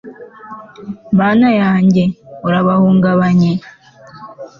mana yanjye, urabahungabanye